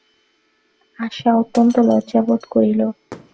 আশা অত্যন্ত লজ্জাবোধ করিল।